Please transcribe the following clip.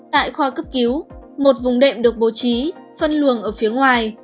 tại khoa cấp cứu một vùng đệm được bố trí phân luồng ở phía ngoài